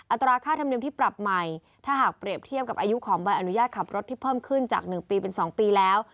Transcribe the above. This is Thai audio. ตราค่าธรรมเนียมที่ปรับใหม่ถ้าหากเปรียบเทียบกับอายุของใบอนุญาตขับรถที่เพิ่มขึ้นจาก๑ปีเป็น๒ปีแล้ว